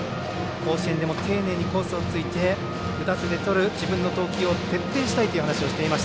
甲子園でも丁寧にコースをついて打たせてとる自分の投球を徹底したいと話しています。